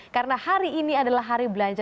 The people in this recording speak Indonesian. karena hari ini adalah hari belanja